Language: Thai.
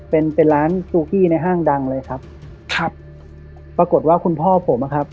เป็นเป็นร้านซูกี้ในห้างดังเลยครับครับปรากฏว่าคุณพ่อผมอะครับ